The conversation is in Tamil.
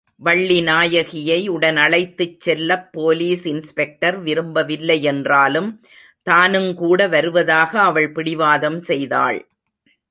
வள்ளிநாயகியை உடன் அழைத்துச் செல்லப் போலீஸ் இன்ஸ்பெக்டர் விரும்பவில்லையென்றாலும் தானுங் கூட வருவதாக அவள் பிடிவாதம் செய்தாள்.